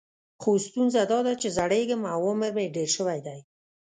خو ستونزه دا ده چې زړیږم او عمر مې ډېر شوی دی.